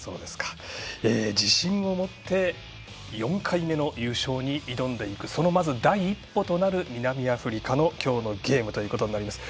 自信を持って４回目の優勝に挑んでいくその第一歩となる南アフリカの今日のゲームとなります。